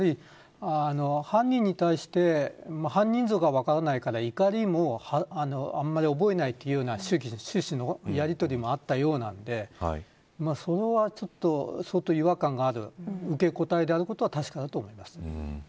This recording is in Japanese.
犯人に対して犯人像が分からないから怒りもあまり覚えないという主旨のやりとりもあったようなのでそこは相当、違和感がある受け答えであることは確かだと思います。